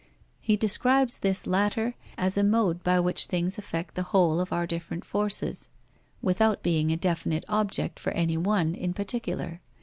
He describes this latter as a mode by which things affect the whole of our different forces, without being a definite object for any one in particular.